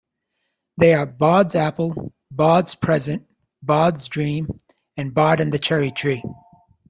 They are: "Bod's Apple", "Bod's Present", "Bod's Dream" and "Bod and the Cherry Tree".